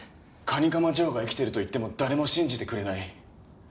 蟹釜ジョーが生きてると言っても誰も信じてくれない。